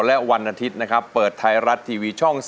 และเงินที่สะสมมาจะตกเป็นของผู้ที่ร้องถูก